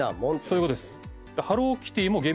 そういうことです。